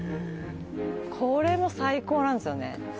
これも最高なんですよね